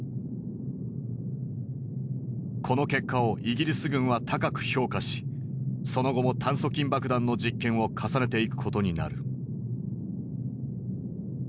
この結果をイギリス軍は高く評価しその後も炭疽菌爆弾の実験を重ねていくことになる。